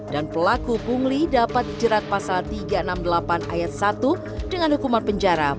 dan pelaku bungli dapat dijerat pasal tiga ratus enam puluh delapan ayat satu dengan hukuman penjara